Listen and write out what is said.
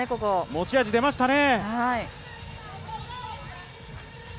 持ち味、出ましたね。